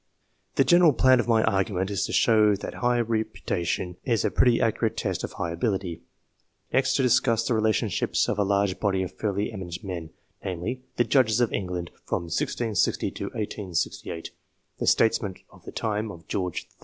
The general plan of my argument is to show that high reputation is a pretty accurate test of high ability ; next to discuss the relationships of a large body of fairly eminent men namely, the Judges of England from 1660 to 1868, the Statesmen of the time of George III.